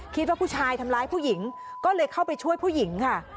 คิดว่าผู้ชายทำร้ายผู้หญิงก็เลยเข้าไปช่วยผู้หญิงค่ะ